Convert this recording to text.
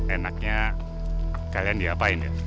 enaknya kalian diapain ya